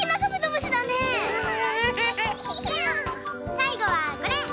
さいごはこれ。